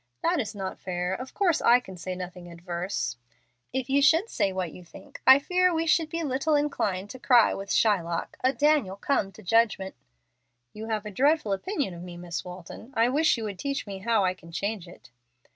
"That is not fair. Of course I can say nothing adverse." "If you should say what you think, I fear we should be little inclined to cry with Shylock, 'A Daniel come to judgment!'" "You have a dreadful opinion of me, Miss Walton. I wish you would teach me how I can change it."